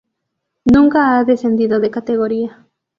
Nunca ha descendido de categoría.